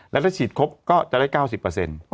แล้วถ้าฉีดครบก็จะได้๙๐เปอร์เซ็นต์